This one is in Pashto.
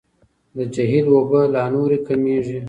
د جهیل اوبه لا نورې کمیږي.